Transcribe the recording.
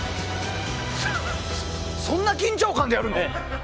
そんな緊張感でやるの？